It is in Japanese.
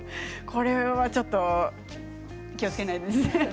これはちょっと気をつけないとね。